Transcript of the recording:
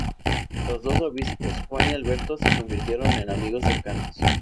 Los dos obispos, Juan y Alberto, se convirtieron en amigos cercanos.